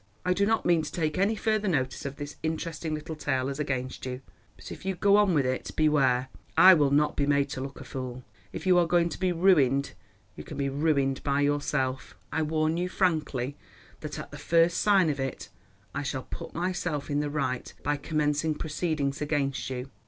I do not mean to take any further notice of this interesting little tale as against you. But if you go on with it, beware! I will not be made to look a fool. If you are going to be ruined you can be ruined by yourself. I warn you frankly, that at the first sign of it, I shall put myself in the right by commencing proceedings against you.